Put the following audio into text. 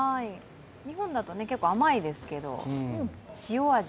日本だと結構甘いですけど塩味。